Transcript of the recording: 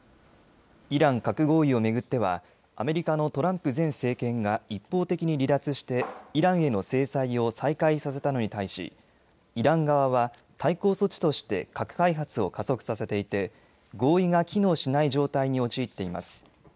イラン核合意を巡っては、アメリカのトランプ前政権が一方的に離脱して、イランへの制裁を再開させたのに対し、イラン側は、対抗措置として核開発を加速させていて、合意が機能しない状態に陥っています。